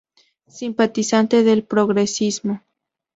Simpatizante del progresismo.